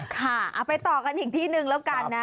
ค่ะไปต่อกันอีกที่๑แล้วกันนะ